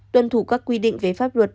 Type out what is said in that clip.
tuân thủ các quy định về pháp luật